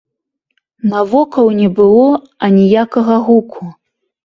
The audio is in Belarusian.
Навокал не было аніякага гуку.